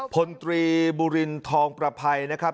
พลตรีบุรินทองประภัยนะครับ